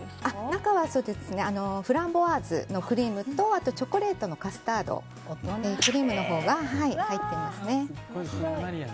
中はフランボワーズのクリームとチョコレートのカスタードクリームのほうが入ってますね。